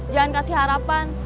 jangan kasih harapan